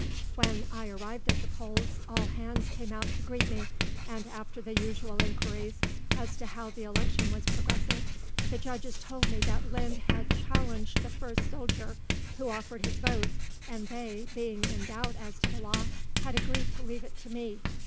When I arrived at the polls all hands came out to greet me, and after the usual inquiries as to how the election was progressing, the judges told me that Lynd had challenged the first soldier who offered his vote, and they, being in doubt as to the law, had agreed to leave it to me.